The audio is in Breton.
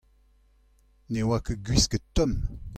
Ne oa ket gwisket tomm.